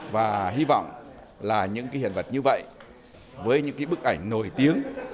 và hy vọng là những hiện vật như vậy với những bức ảnh nổi tiếng